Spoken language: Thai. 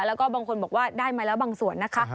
แล้วก็บางคนบอกว่าได้มาแล้วบางส่วนนะคะ